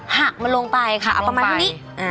หักมันลงไปค่ะเอาประมาณเท่านี้